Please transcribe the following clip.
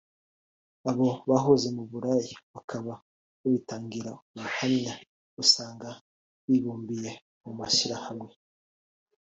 Abo bahoze mu bulaya bakaba babitangira ubuhamya usanga bibumbiye mu mashyirahamwe